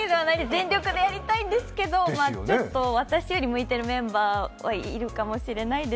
全力でやりたいんですけどちょっと私より向いてるメンバーはいるかもしれないです。